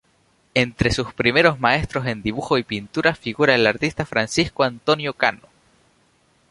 Entre sus primeros maestros en dibujo y pintura figura el artista Francisco Antonio Cano.